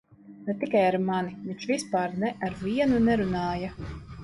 Ne tikai ar mani - viņš vispār ne ar vienu nerunāja.